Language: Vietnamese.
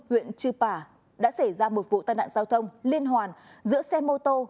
huyện chư pả đã xảy ra một vụ tai nạn giao thông liên hoàn giữa xe mô tô